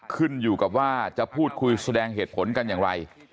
ขึ้นอยู่กับว่าจะพูดคุยแสดงเหตุผลกันอย่างไร